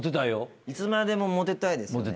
いつまでもモテたいです。